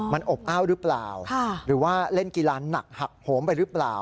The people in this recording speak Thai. มันอบอ้าวหรือเปล่าหรือว่าเล่นกีฬาหนักหักโหมไปหรือเปล่า